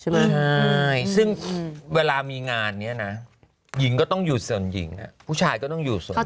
ใช่ซึ่งเวลามีงานนี้นะหญิงก็ต้องอยู่ส่วนหญิงผู้ชายก็ต้องอยู่ส่วนหนึ่ง